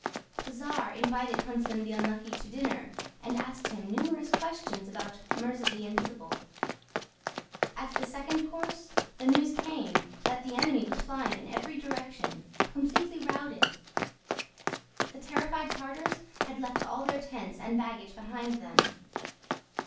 The czar invited Huntsman the Unlucky to dinner, and asked him numerous questions about Murza the Invisible. At the second course the news came that the enemy was flying in every direction, completely routed. The terrified Tartars had left all their tents and baggage behind them.